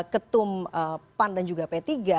ketum pan dan juga p tiga